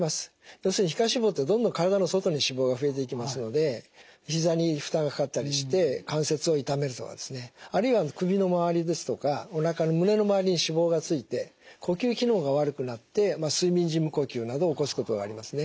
要するに皮下脂肪ってどんどん体の外に脂肪が増えていきますので膝に負担がかかったりして関節を痛めるとかですねあるいは首の周りですとかおなかの胸の周りに脂肪が付いて呼吸機能が悪くなって睡眠時無呼吸など起こすことがありますね。